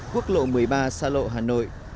quốc lộ một mươi ba xa lộ hà nội